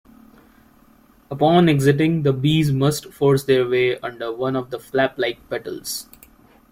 Upon exiting, the bees must force their way under one of the flap-like petals.